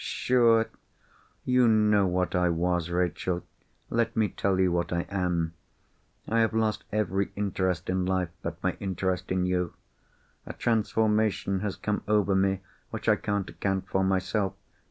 "Sure! You know what I was, Rachel. Let me tell you what I am. I have lost every interest in life, but my interest in you. A transformation has come over me which I can't account for, myself.